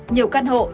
nhiều căn hộ